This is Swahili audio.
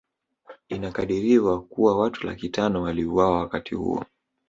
Inakadiriwa kuwa watu laki tano waliuliwa wakati huo